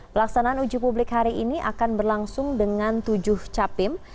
pelaksanaan uji publik hari ini akan berlangsung dengan tujuh capim